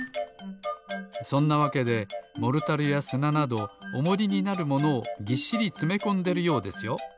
そんなわけでモルタルやすななどおもりになるものをぎっしりつめこんでるようですよ。